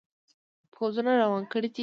پوځونه روان کړي دي.